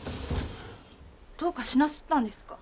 どうかしなすったんですか？